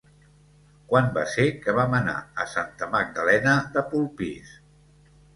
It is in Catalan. Quan va ser que vam anar a Santa Magdalena de Polpís?